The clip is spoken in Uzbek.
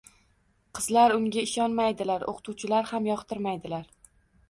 Qizlar unga ishonmaydilar, o‘qituvchilar ham yoqtirmaydilar.